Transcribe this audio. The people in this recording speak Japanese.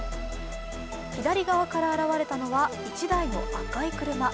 左側から現れたのは１台の赤い車。